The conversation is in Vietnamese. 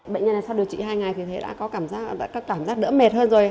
bệnh nhân sau điều trị hai ngày thì thấy đã có cảm giác đỡ mệt hơn rồi